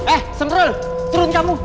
eh semrl turun kamu